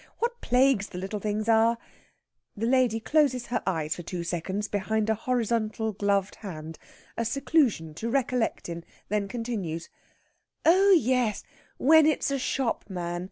What plagues the little things are!" The lady closes her eyes for two seconds behind a horizontal gloved hand, a seclusion to recollect in; then continues: "Oh yes, when it's a shopman.